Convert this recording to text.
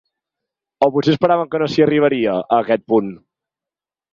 O potser esperaven que no s’hi arribaria, a aquest punt?